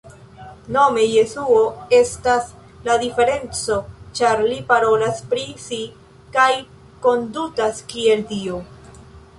Nome Jesuo estas la diferenco ĉar li parolas pri si kaj kondutas kiel Dio!